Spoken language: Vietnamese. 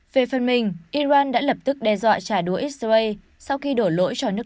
về phần mình iran đã lập tức đe dọa trả đũa israel